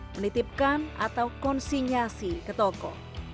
menitipkan atau konsinyasi ke toko